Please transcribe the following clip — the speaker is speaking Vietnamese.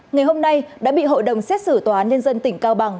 ngày hôm nay đã bị hội đồng xét xử tòa án nhân dân tỉnh cao bằng